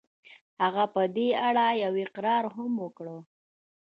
هغه په دې اړه يو اقرار هم وکړ.